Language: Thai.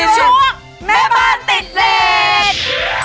ช่วงแม่บ้านติดเลส